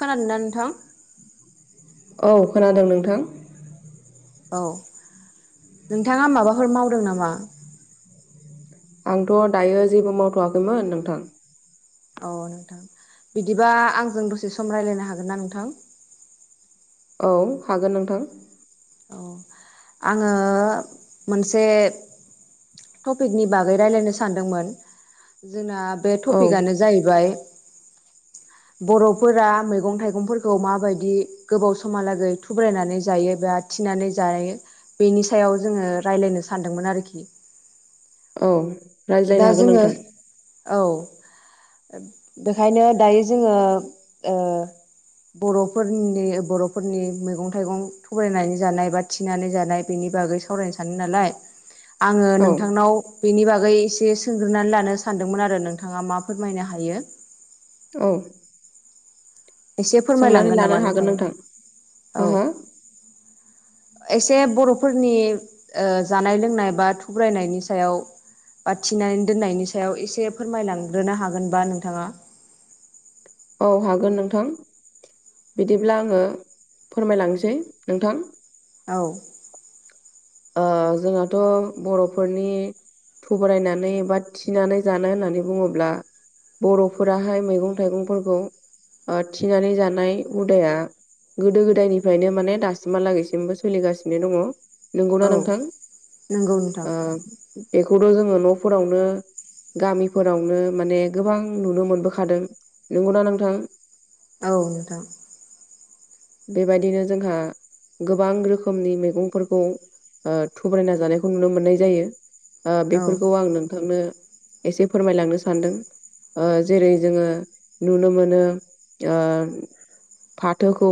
खोनादोंना नोंथां औ खोनादों नोंथां औ नोंथाङा माबाफोर मावदों नामा आंथ' दायो जेबो मावथ'वाखैमोन नोंथां। औ नोंथां बिदिबा आंजों दसे सम राय्लायनो हागोन ना नोंथां औ हागोन नोंथां औ आङो मोनसे टपिकनि बागै रायलायनो सानदोंमोन जोंना बे औ टपिकआनो जाहैबाय बर'फोरा मैगं थाइगंफोरखौ माबायदि गोबाव समहालागै थुब्रायनानै जायोब थिनानै जानाय बेनि सायाव जोङो रायज्लायनो सानदोंमोन आरोखि औ रायज्लायनो दा हागोन जोङो नोंथां औ बेखायनो दायो जोङो ओ बर'फोरनि बर'फोरनि मैगं थाइगं थगायनानै जानाय बा थिनानै जानाय बेनि बागै सावरायनो सानो नालाय आङो औ नोंथांनाव बेनि बागै एसे सोंग्रोनानै लानो सानदोंमोन आरो नोंथाङा मा फोरमायनो हायो। औ एसे सोंनानै फोरमायलांगोन लानो नामा हागोन नोंथां नोंथाङा हो औ हो एसे बर'फोरनि जानाय लोंनाय बा थुग्रायनायनि सायाव बा थिनानै दोननायनि सायाव एसे फोरमायलांग्रोनो हागोनबा नोंथाङा औ हागोन नोंथां बिदिब्ला आङो फोरमायलांनोसै नोंथां औ ओ जोंहाथ' बर'फोरनि थबरायनानै बा थिनानै जानो होननानै बुङोब्ला बर'फोराहाय मैगं थाइगंफोरखौ थिनानै जानाय हुदाया गोदो गोदायनिफ्रायनो माने दासिमहालागैसिमबो सोलिगासिनो दङ' नंगौना औ नोंथां नंगौ नोंथां बेखौथ' जोङो न'फोरावनो गामिफोरावनो माने गोबां नुनो मोनबोखादों नंगौना नोंथां औ नोंथां बेबायदिनो जोंहा गोबां रोखोमनि मैगंफोरखौ ओ‌थुब्रायना जानायखौ नुनो मोननाय जायो औ बेफोरखौ आं नोंथांनो एसे फोरमायलांनो सानदों जेरै जोङो नुनो मोनो फाथोखौ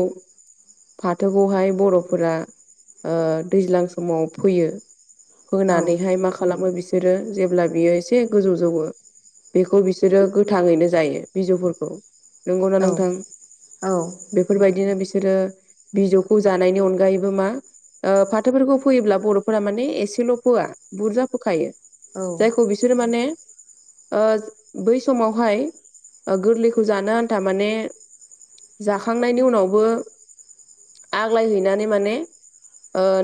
फाथोखौहाय बर'फोरा दैज्लां समाव फैयो औ फोनानैहाय मा खालामो बिसोरो जेब्ला बियो एसे गोजौ जौवो बेखौ बिसोरो गोथाङैनो जायो बिजौफोरखौ नंगौना औ नांथां औ बेफोरबायदिनो बिसोरो बिजौखौ जानायनि अनगायैबो मा ओ फाथोफोरखौ फैयोब्ला बर'फोरा माने एसेल' फोआ बुरजा फोखायो जायखौ बि बिसोरो माने ओ बै समावहाय ओ गोरलैखौ जानो आन्था माने जाखांनायनि उनावबो आग्लायहैनानै माने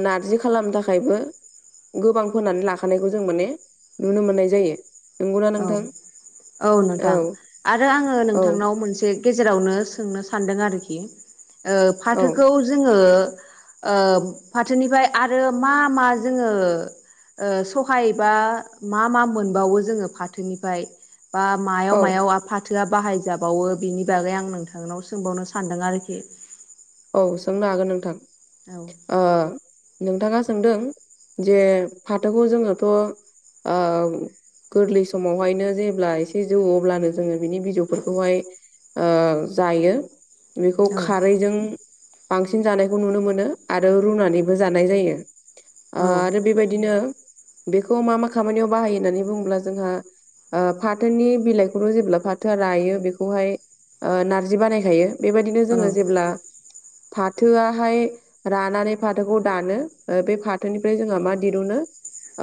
नारजि खालामनो थाखायबो गोबां फोनानै लाखानायखौ जों माने नुनो मोननाय जायो नंगौना औ नोंथां औ नोंथां आरो आङो औ नोंथांनाव मोनसे गेजेरावनो सोंनो सानदों आरोखि ओ औ फाथोखौ जोङो ओ फाथोनिफ्राय आरो मा मा जोङो ओसहायबा मा मा मोनबावो जोङो फाथोनिफ्राय बा मायाव औ मायाव आफा फाथोआ बाहायजाबावो बिनि बागै आं नोंथांनाव सोंबावनो सानदों आरोखि औ सोंनो हागोन नोंथां औ [inaudible] ओ नोंथाङा सोंदों जे फाथोखौ जोङोथ' औ गोरलै समावहायनो जेब्ला एसे जौ अब्लानो जोङो बिनि बिजौफोरखौहाय जायो बेखौ औ खारैजों बांसिन जानायखौ नुनो मोनो आरो रुनानैबो जानाय जायो औ आरो बेबायदिनो बेखौ मा मा खामानियाव बाहायो होननानै बुङोब्ला जोंहा ओ फाथोनि बिलाइखौल' जेब्ला फाथोआ रायो बेखौहाय नार्जि बानायखायो बेबायदिनो जोङो औ जेब्ला फाथोआहाय रानानै फाथोखौ दानो बे फाथोनिफ्राय जोंहा मा दिरुनो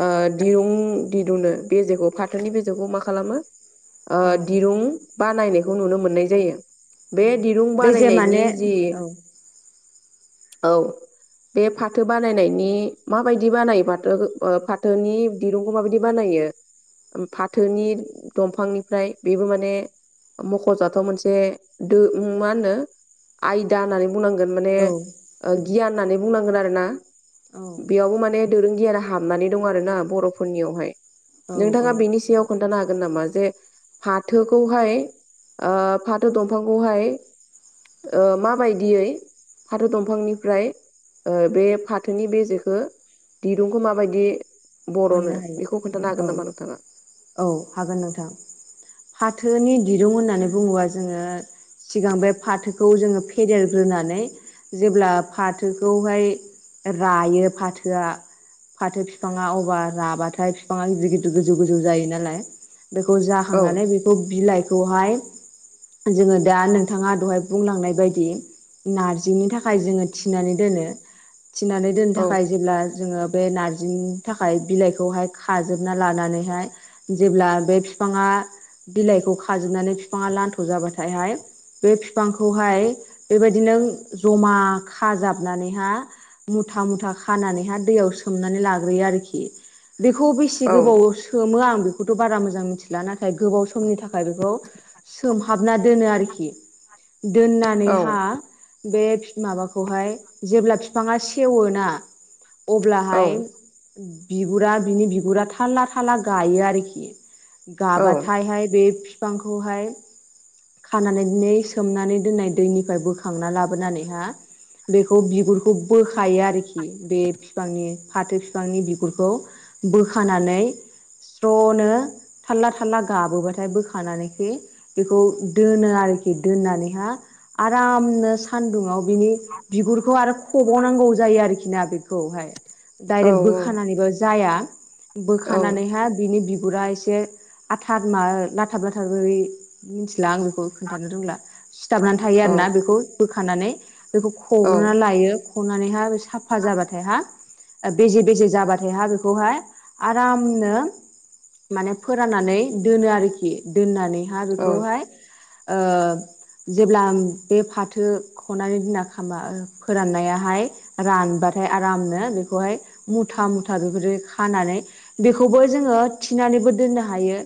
ओ दिरुं दिरुनो बे जेखौ फाथोनि बेेखौ मा खालामो ओ औ दिरुं बा नायनायखौ नुनो मोननाय जायो बे औ दिरुं बे जे माने बानायनायनि जि औ औ बे फाथो बानायनायनि माबायदि बानायो फाथो फाथोनि दिरुंखौ माबायदि बानायो फाथोनि दंफांनिफ्राय बेबो माने मख'जाथाव मोनसे द मा होनो आयदा होननानै म औ गनानैनोनायाव औ [unintelligible] दोरोंआरिया हाबनानै दं आरोना बर'फोरनियावहाय औ औ नोंथाङा बेनि सायाव खोन्थानो हागोन नामा जे फाथोखौहाय फाथो दंफांखौहाय माबायदि दियै फाथो दंफांनिफ्राय बे फाथोनि बे जेखौ दिरुंखौ माबायदि मोननो बर'नो हायो बेखौ खोन्थानो हागोन औ नामा नोंथाङा औ हागोन नोंथां फाथोनि दिरुं होननानै बुङोबा जोङो सिगां बे फाथोखौ जोङो फेदेरग्रोनानै जेब्ला फाथोखौहाय रायो फाथोआ फाथो बिफाङा अबे लाबाथाय बिफाङा गिद गिद गोजौ गोजौ जायो नालाय बेखौ औ जाखांनानै थ' बिलाइखौहाय जोङो दा नोंथाङा दहाय बुंलांनाय बायदि नारजिनि थाखाय जोङो थिनानै दोनो थिनानै दोननो औ थाखाय जेब्ला जोङो बे नारजिं थाखाय बिलाइखौहाय खाजोबना लानानैहाय जेब्ला बे बिफाङा बिलाइखौ खाजोबनानै बिफाङा लान्थ' जाबाथायहाय बे बिफांखौहाय बेबायदिनो जमा खाजाबनानैहा मुथा मुथा खानानैहााय दैयाव सोमनानै लाग्रोयो आरोखि बेखौ बेसे औ गोबाव सोमो आं बेखौथ' बारा मोजां मिथिला नाथाय गोबाव समनि थाखाय बेखौ सोमहाबना दोनो आरोखि औ दोननानैहा बे माबाखौहाय जेब्ला बिफाङा सेवोना औ अब्लाहाय बिगुरा बिनि बिगुरा थाल्ला थाल्ला गायो आरोखि औ गाबाथायहाय बे बिफांखौहाय खानानै दिै सोमनानै दोननाय दैनिफ्राय बोखांना लाबोनानैहा बेखौ बिगुरखौ बोखायो आरोखि बे बिफांनि फाथो बिफांनि बिगुरखौ बोखानानै स्र'नो थाल्ला थालला गाबोबाथाय बोखानानैखै बेखौ दोनो आरोखि दोननानैहा आरामनो सानदुंङआव बिनि बिगुरखौ आरो खबावनांगौ जायो आरोखि ना बेखौहाय औ डाइरेक्ट बोखानानैब जाया औ बोखानानैहाय बिनि बिगुरा एसे एसे आथार माबा लाथार लाथार बोरै मिथिला आं बेखौ खोन्थानो रोंला सिथाबनानै थायो आरोोना बेखौ बोखानानै बेखौ औ खगनानै लायो सखनानै हाय बे साफा जाबाथाय हा बेजे बेजे जाबाथायहा बेखौहाय आरामनो माने फोराननानै दोनो आरोखि दोननानैहााय बेखौहाय ओ जेब्ला बे फाथो खनानै दिना खा फोराननायाहाय रानबाथाय आरामनो बेखौहाय मुथा मुथा बेफोर खानानै बेखौबो जोङो थिनानैबो दोननो हायो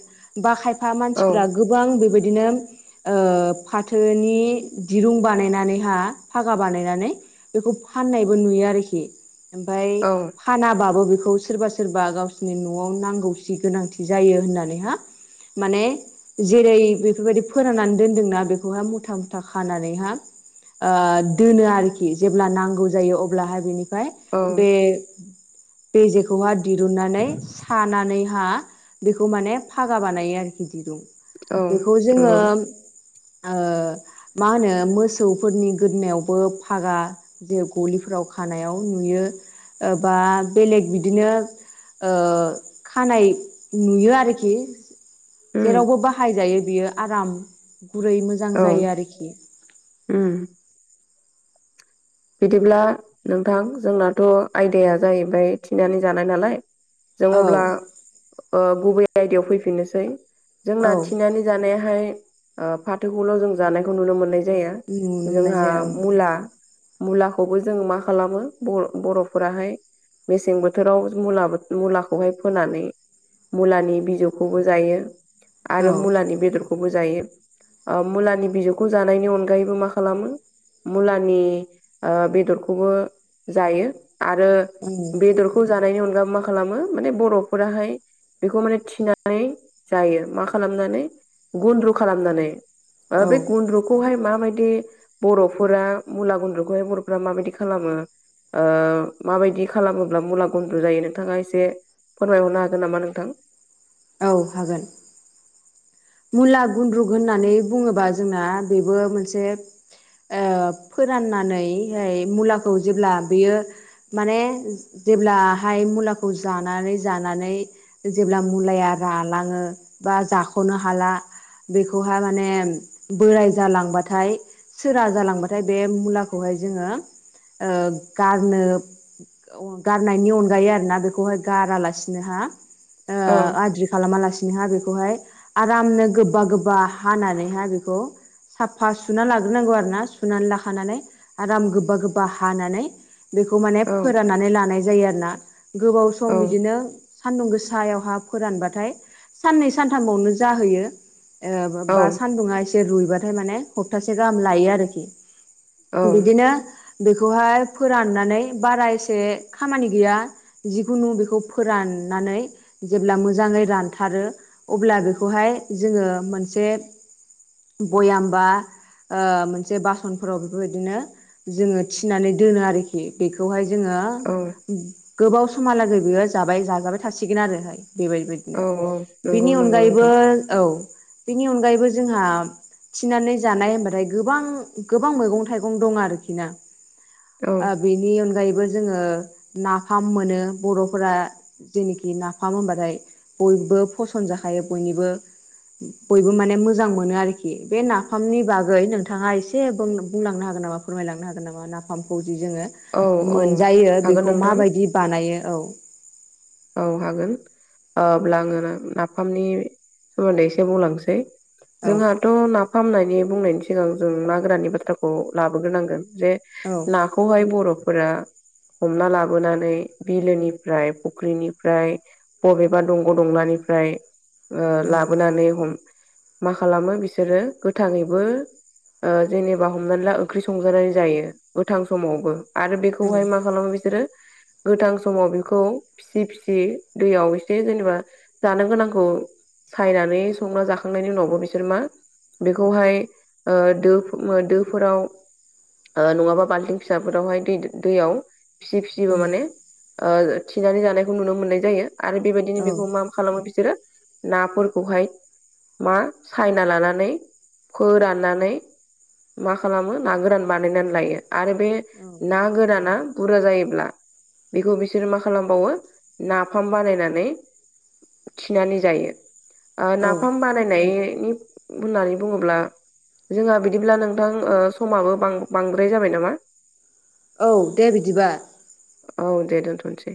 बा खायफा मानसिफ्रा गोबां बेबायदिनो फाथोनि दिरुं बानायनानैहा फागा बानायनानै बेखौ फाननायबो नुयो आरोखि ओमफफ्राय औ फानाबाबो बेखौ सोरबा सोरबा गावसिोरनि न'आव नांगौसि गोनांथि जायो होननानैहा माने जेरै बेफोरबायाददि फोराननानै दोनदोंना बेखौहाय मुथा मुथा खानानैहााय दोनो आरोखि जेब्ला नांगौ जायो अब्लाहाय बेनिफ्राय औ बे बेजेखौहा दिरुननानै सानानैहा बेखौ माने फागा बानायो आरोखि दिरुं औ बेखौ जोङो नंगौ मा होनो मोसौफोरनि गोदोनायावबो फागा जे गलिफोराव खानायाव नुयोबा बेलेग बिदिनो खानाय नुयो आरोखि उम जेरावबो बाहायजायो बेयो आराम गुरै मोजां जायो आरोखि ओम बिदिब्ला नोंथां जोंनाथ' आयदाया जाहैबाय थिनानै जानाय नालाय जों औ अब्ला गुबै आयदायाव फैफिननोसै औ जोंना थिनानै जानायाहाय फाथोखौल' जों जानायखौ नुनो मोननाय जायो। नुनो मोननाय जोंहा जाया औ मुला मुलाखौबो जों मा खालामो बर बर'फोराहाय मेसें बोथोराव मु मुलाखौहाय फोनानै मुलानि बिजौखौबो जायो आरो मुलानि बेदरखौबो जायो मुलानि बिजौखौ जानायनि अनगायैबो मा खालामो मुलानि बेदरखौबो जायो आरो औ बेदर खौ जानायनि अनगाै मा खालामो माने बर'फोराहाय बेखौ माने थिनानै जायो मा खालामनानै गुन्द्रु खालामनानै बे औ गुन्द्रुखौहाय माबायदि बर'फोरा मुला गुन्द्रु हाय बर'फ्रा माबायदि खालामो माबायदि खालामोब्ला मुला गुन्द्रु जायो नोंथाङा एसे फोरमायहरनो हागोन नामा नोंथां औ हागोन मुला गुन्द्रुक होननानै बुङोबा जोंना बेबो मोनसे फोराननानैहाय मुलाखौ जेब्ला बेयो माने जेब्लाहाय मुलाखौ जानानै जानानै जेब्ला मुलाया रालाङो बा जाख'नो ह हाला बेखौहाय माने बोराय जालांबाथाय सोरा जालांबाथाय बे मुलाखौहाय जोङो गारनो गारनायनि अनगायै आरो ना बेखौहाय गारालासिनो हा औ आद्रि खालामालासिनोहा बेखौहाय आरामनो गोबा गोबा हानानैहाय बेखौ साफा सुना लाग्रोनांगौ आरो ना सुनानै लाखानानै आराम गोबा गोबा हानानै बेखौ माने औ फोराननानै लानाय जायो आरो ना गोबाव औ सम बिदिनो सानदुं गोसायावहा फोरानबाथाय साननै सानथामावनो जाहोयो औ बा सानदुङा एसे रुइबाथाय माने हप्तासे गाहाम लायो आरोखि औ बिदिनो बेखौहाय फोराननानै बारा एसे खामानि गैया जिखुनु बेखौ फोराननानै जेब्ला मोजाङै रानथारो अब्ला बेखौ बेखौहाय जोङो मोनसे बयामबा मोनसे बासनफोराव बेफोरबायदिनो जोङो थिनानै दोनो आरोखि बेखौहाय जोङो औ गोबाव समहालागै बियो जाबाय जाजाबाय थासिगोन आरोहाय बेबायदि औ औ नंगौ नंगौ नोंथां औ बेनि अनगायैबो जोंहा थिनानै जानाय हबथाय गोबां गोबां मैगं थाइगं दं आरोखि ना औ बेनि अनगायैबो जोङो नाफाम मोनो बर'फोरा जेखि नाफाम होनबाथाय बयबो फसन जाखायो बयनिबो बयबो माने मोजां मोनो आरोखि बे नाफामनि बागै नोंथाङा एसे बुंलांनो हागोन नामा फोरमायलांनो हागोन नामा नाफामखौ जि जोङो औ मोनजायो हागोन बेखौ नोंथां माबायदि बानायो औ औ हागोन अब्ला आङो नाफामनि सोमोन्दै एसे बुंलांसै औ जोंहाथ' ना फाहामनायनि बुंनायनि सिगां जों ना गोराननि बाथ्राखौ लाबोग्रोनांगोन जे औ ना बेखौहाय बर'फोरा हमना लाबोनानै बिलोनिफ्राय फुख्रिनिफ्राय बबेबा दंग' दंलानिफ्राय औ लाबोनानै हम मा खालामो बिसोरो गोथाङैबो जेनेबा हमनानै ला ओंख्रि संजानाय जायो गोथां समावबो आरो औ बेखौहाय मा खालामो बिसोरो गोथां समाव बेखौ फि फिसि दैयाव एसे जेनेबा जानो गोनांखौ सायनानै संना जाखांनायनि उनावबो बिसोर मा बेखौहाय दो दोफोराव नङाबा बाल्थिं फिसाफोरावहाय दै दैयाव फिसि फिसिबो माने थिनानै जानायखौ नुनो मोननाय जायो आरो बेबायदिनो औ बेखौ मा खालामो बिसोरो नाफोरखौहाय। मा सायना लानानै फोराननानै मा खालामो ना गोरान बानायनानै लायो आरो बे ना गोराना बुरजा जायोब्ला बेखौ बिसोर माखासे खालामबावो नाफाम बानायनानै खिनानै जायो औ नाफाम बानायनायनि होननानै बुङोब्ला जोंहा बिदिब्ला नोंथां समाबो बांद्राय जाबाय नामा औ दे बिदिबा औ दे दोनथ'नोसै